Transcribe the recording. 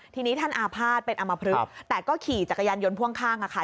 ทีนี้ท่านอาภาษณ์เป็นอมพลึกแต่ก็ขี่จักรยานยนต์พ่วงข้างค่ะ